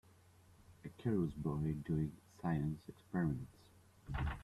A curious boy doing science experiments.